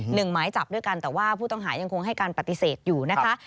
หมายจับด้วยกันแต่ว่าผู้ต้องหายังคงให้การปฏิเสธอยู่นะคะ